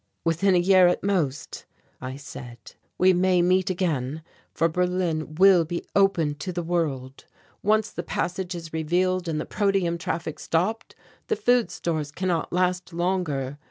"Within a year at most," I said, "we may meet again, for Berlin will be open to the world. Once the passage is revealed and the protium traffic stopped, the food stores cannot last longer.